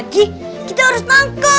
di kan ini